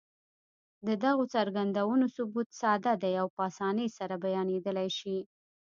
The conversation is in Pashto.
د دغو څرګندونو ثبوت ساده دی او په اسانۍ سره بيانېدلای شي.